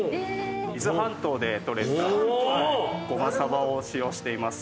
伊豆半島で取れたゴマサバを使用しています。